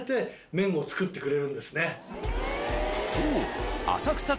［そう］